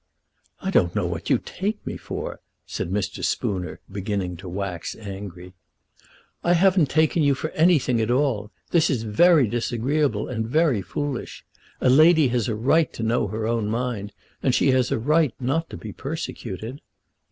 "I don't know what you take me for," said Mr. Spooner, beginning to wax angry. "I haven't taken you for anything at all. This is very disagreeable and very foolish. A lady has a right to know her own mind, and she has a right not to be persecuted."